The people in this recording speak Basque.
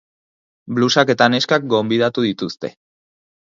Blusak eta neskak gonbidatu dituzte.